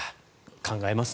考えますね。